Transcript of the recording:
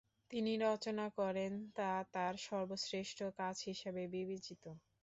তিনি রচনা করেন তা তার সর্বশ্রেষ্ঠ কাজ হিসেবে বিবেচিত।